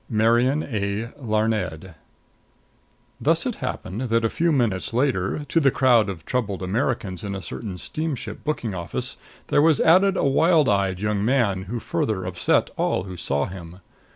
MARIAN A. LARNED. Thus it happened that, a few minutes later, to the crowd of troubled Americans in a certain steamship booking office there was added a wild eyed young man who further upset all who saw him.